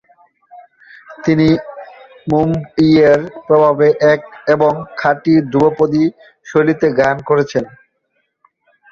তিনি মুম্বইয়ের প্রভাবে এবং খাঁটি ধ্রুপদী শৈলীতে গান করেছেন।